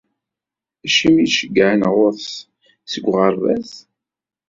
Acimi i d-ceggɛen ɣur-s seg uɣerbaz?